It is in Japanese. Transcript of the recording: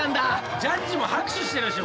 ジャッジも拍手してるし。